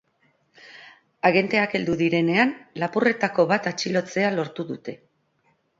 Agenteak heldu direnean lapurretako bat atxilotzea lortu dute.